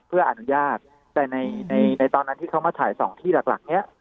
เพื่ออนุญาตแต่ในในตอนนั้นที่เขามาถ่ายสองที่หลักเนี่ย